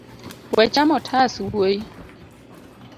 We chamo otas wuoi.